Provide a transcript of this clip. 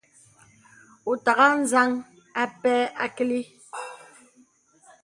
Wɔ̄ ùtàghà anzaŋ àpan àkìlì.